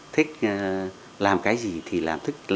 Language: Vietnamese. thích làm cái gì thì làm